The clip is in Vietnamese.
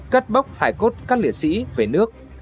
cất bóc hải cốt các liệt sĩ về nước